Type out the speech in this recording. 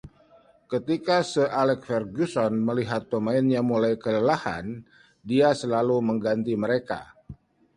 Ketika Sir Alex Ferguson melihat pemainnya mulai kelelahan, dia selalu mengganti mereka.